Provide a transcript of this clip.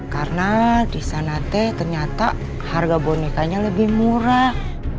karena di sanate ternyata harga bonekanya lebih murah